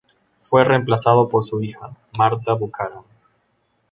Fue reemplazado por su hija, Martha Bucaram.